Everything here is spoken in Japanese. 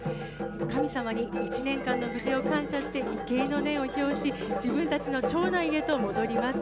神様に１年間の無事を感謝して、畏敬の念を表し、自分たちの町内へと戻ります。